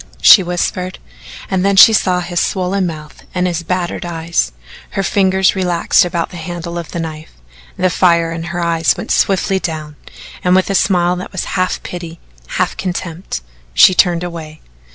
she whispered, and then she saw his swollen mouth and his battered eye. Her fingers relaxed about the handle of the knife, the fire in her eyes went swiftly down, and with a smile that was half pity, half contempt, she turned away.